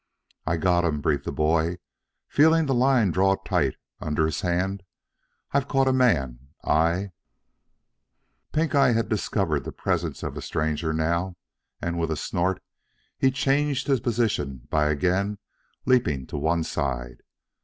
"I've got him," breathed the boy, feeling the line draw tight under his hand. "I've caught a man I " Pink eye had discovered the presence of strangers now and with a snort he changed his position by again leaping to one side.